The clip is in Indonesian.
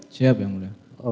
siap yang mulia